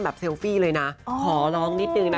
เซลฟี่เลยนะขอร้องนิดนึงนะ